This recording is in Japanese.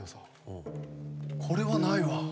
・これはないわ。